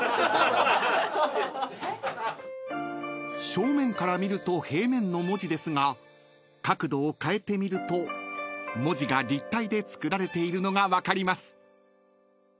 ［正面から見ると平面の文字ですが角度を変えてみると文字が立体で作られているのが分かります］